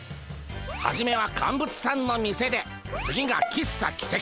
はじめはカンブツさんの店で次が喫茶汽笛。